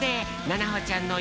ななほちゃん。